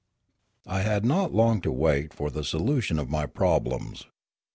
I had not long to wait for the solution of my prob lems.